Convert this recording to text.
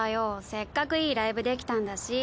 せっかくいいライブできたんだし。